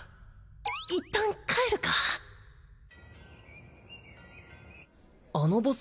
一旦帰るかあのボス